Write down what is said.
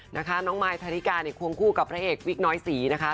นะคะน้องมายธริกาควงคู่กับพระเอกวิกน้อยศรีนะคะ